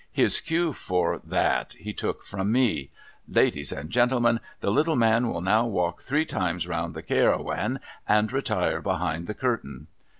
His cue for that, he took from me ;' Ladies and gentlemen, the little man will now walk three times round the Cairawan, and retire behind the curtain.'